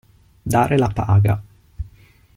Dare la paga.